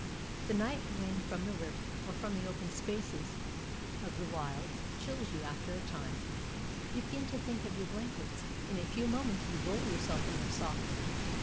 The night wind from the river, or from the open spaces of the wilds, chills you after a time. You begin to think of your blankets. In a few moments you roll yourself in their soft wool.